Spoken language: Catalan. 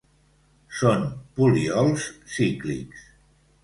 Són poliols cíclics.